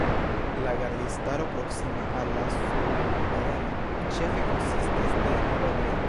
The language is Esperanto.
La gardistaro proksima al la suvereno ĉefe konsistis de nobeloj.